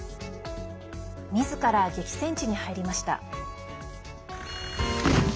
みずから激戦地に入りました。